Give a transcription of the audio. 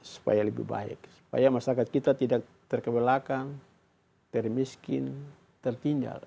supaya lebih baik supaya masyarakat kita tidak terkebelakang termiskin tertinggal